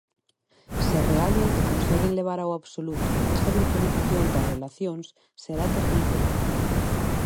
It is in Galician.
Se realmente conseguen levar ao absoluto esa virtualización das relacións, será terríbel.